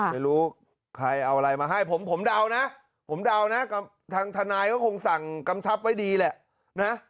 ไม่รู้ใครเอาอะไรมาให้ผมเดานะผมเดานะทางทนายก็คงสั่งกำชับไว้ดีแหละนะ